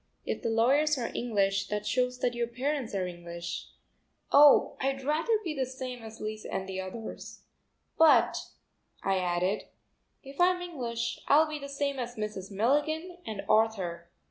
"If the lawyers are English, that shows that your parents are English." "Oh, I'd rather be the same as Lise and the others. But," I added, "if I'm English I'll be the same as Mrs. Milligan and Arthur."